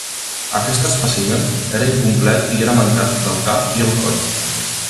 Aquest espècimen era incomplet i era mancat del cap i el coll.